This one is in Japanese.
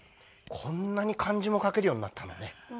こんなに漢字も書けるようになったんだね。